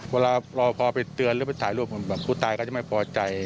เวลารอพอไปเตือนหรือไปถ่ายรูปแบบผู้ตายก็จะไม่พอใจ